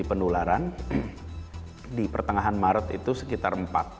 angka yang menggambarkan potensi pendularan di pertengahan maret itu sekitar empat